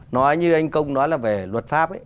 nói như anh công nói là về luật pháp